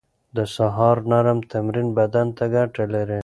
د سهار نرم تمرين بدن ته ګټه لري.